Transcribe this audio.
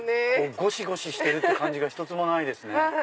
ごしごししてるって感じが一つもないですね。